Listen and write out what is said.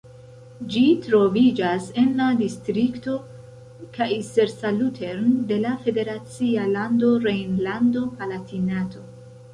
Ĝi troviĝis en la distrikto Kaiserslautern de la federacia lando Rejnlando-Palatinato.